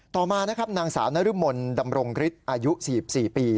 ต่อมานะครับนางสาวนรมนดำรงฤทธิ์อายุ๔๔ปี